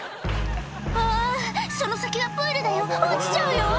あぁその先はプールだよ！落ちちゃうよ！